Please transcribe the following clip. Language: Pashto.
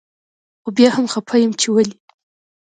خو بيا هم خپه يم چي ولي